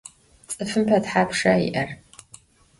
Ts'ıfım pe thapşşa yi'er?